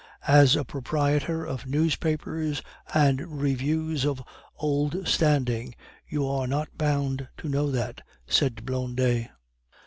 "As a proprietor of newspapers and reviews of old standing, you are not bound to know that," said Blondet.